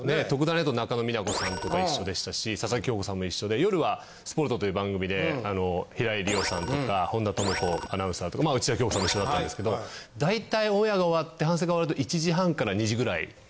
だと中野美奈子さんとも一緒でしたし佐々木恭子さんも一緒で夜は『すぽると！』という番組で平井理央さんとか本田朋子アナウンサーとか内田恭子さんも一緒だったんですけど大体オンエアが終わって反省会終わると１時半から２時ぐらい。